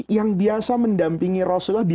yang biasa mendampingi rasulullah di